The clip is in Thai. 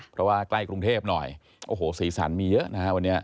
เพราะว่าใกล้กรุงเทพหน่อยโอ้โหสีสันมีเยอะนะฮะวันนี้